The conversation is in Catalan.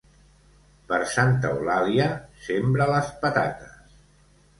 Per Santa Eulàlia sembra les patates.